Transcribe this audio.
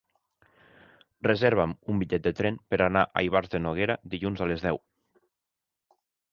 Reserva'm un bitllet de tren per anar a Ivars de Noguera dilluns a les deu.